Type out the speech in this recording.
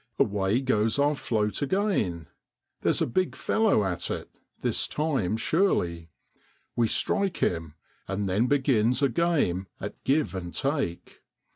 Away goes our float again. There's a big fellow at it this time surely. We strike him; and then begins a game at give and take.